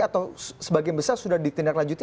atau sebagian besar sudah ditindaklanjuti